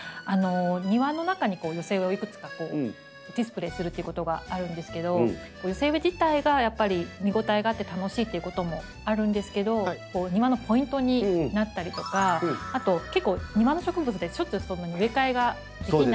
庭の中に寄せ植えをいくつかディスプレーするっていうことがあるんですけど寄せ植え自体がやっぱり見応えがあって楽しいっていうこともあるんですけど庭のポイントになったりとかあと結構庭の植物ってしょっちゅうそんなに植え替えができない。